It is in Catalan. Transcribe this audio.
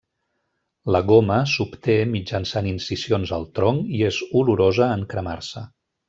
La goma s'obté mitjançant incisions al tronc i és olorosa en cremar-se.